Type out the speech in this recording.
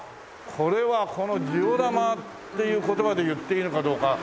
これはジオラマっていう言葉で言っていいのかどうかねえ。